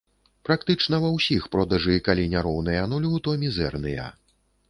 Практычна ва ўсіх продажы калі не роўныя нулю, то мізэрныя.